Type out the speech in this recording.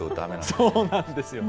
そうなんですよね。